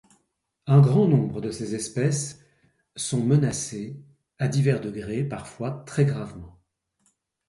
Un grand nombre de ces espèces sont menacées à divers degrés, parfois très gravement.